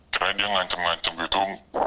karena dia ngancam ngancem gitu